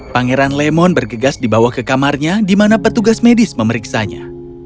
pangeran lemon bergegas dibawa ke kamarnya di mana petugas medis memeriksanya